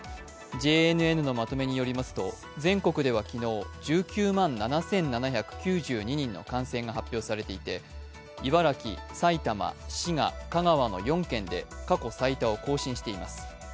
ＪＮＮのまとめによりますと全国では昨日、１９万７７９２人の感染が発表されていて茨城、埼玉、滋賀、香川の４県で過去最多を更新しています。